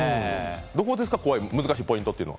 どこですか、難しいポイントというのは。